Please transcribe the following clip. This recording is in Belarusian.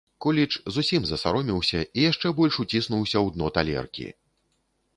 Куліч зусім засаромеўся і яшчэ больш уціснуўся ў дно талеркі.